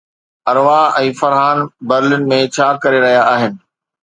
Urwah ۽ Farhan Berlin ۾ ڇا ڪري رهيا آهن؟